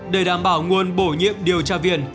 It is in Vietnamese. để đảm bảo nguồn bổ nhiệm điều tra viên